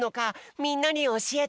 みんなにおしえて！